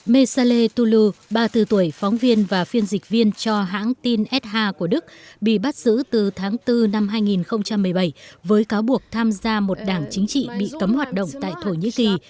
mesale tou ba mươi bốn tuổi phóng viên và phiên dịch viên cho hãng tin sha của đức bị bắt giữ từ tháng bốn năm hai nghìn một mươi bảy với cáo buộc tham gia một đảng chính trị bị cấm hoạt động tại thổ nhĩ kỳ